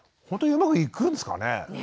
ほんとにうまくいくんですかね。